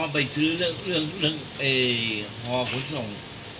ไปซื้อฮผลทรง